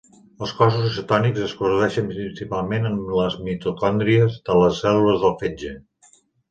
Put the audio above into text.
Els cossos cetònics es produeixen principalment en les mitocòndries de les cèl·lules del fetge.